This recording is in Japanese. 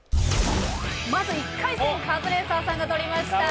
まず１回戦カズレーザーさんが取りました。